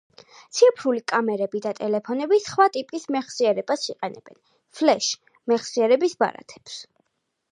ციფრული კამერები და ტელეფონები სხვა ტიპის მეხსიერებას იყენებენ “ფლეშ” მეხსიერების ბარათებს.